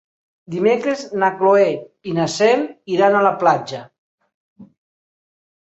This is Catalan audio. Dimecres na Cloè i na Cel iran a la platja.